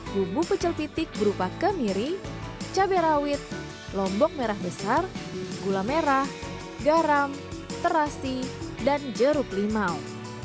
bumbu pecel pitik berupa kemiri cabai rawit lombok merah besar gula merah garam terasi dan jeruk limau